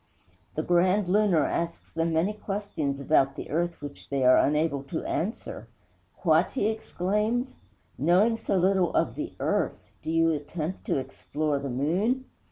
The Grand Lunar asks them many questions about the earth which they are unable to answer. 'What?' he exclaims, 'knowing so little of the earth, do you attempt to explore the moon?'